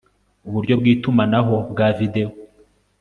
uburyo bw itumanaho bwa videwo